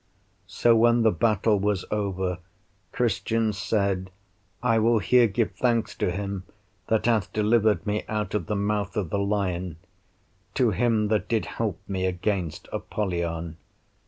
So when the battle was over, Christian said, I will here give thanks to him that hath delivered me out of the mouth of the lion, to him that did help me against Apollyon.